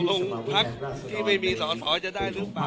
โรงพลังที่ไม่มีสอนศาลจะได้หรือเปล่า